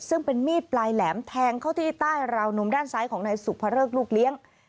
ซึ่งเป็นมีดปลายแหลมแทงเข้าที่ใต้ราวนมด้านซ้ายของนายสุภเริกลูกเลี้ยง